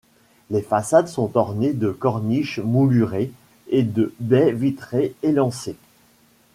Les façades sont ornées de corniches moulurées et de baies vitrées élancées.